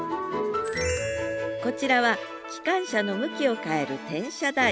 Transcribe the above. こちらは機関車の向きを変える転車台。